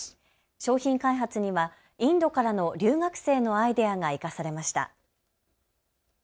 商品開発にはインドからの留学生のアイデアが生かされました。